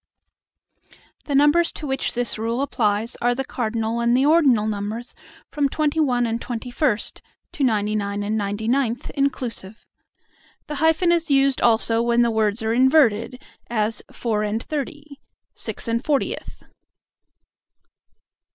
The numbers to which this rule applies are the cardinal and the ordinal numbers from twenty one and twenty first to ninety nine and ninety ninth inclusive. The hyphen is used also when the words are inverted; as "four and thirty," "six and fortieth."